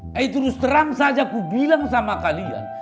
hei terus terang saja ku bilang sama kalian